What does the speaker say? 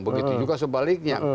begitu juga sebaliknya